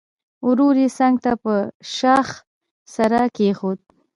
ورو يې څنګ ته په شاخ سر کېښود.